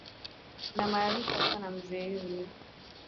Anamaarifa sana mzee yule